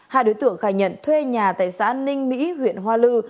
hai đối tượng khai nhận thuê nhà tại xã ninh mỹ huyện hoa lư